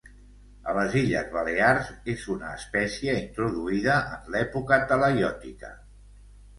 A les Illes Balears és una espècia introduïda en l'època talaiòtica.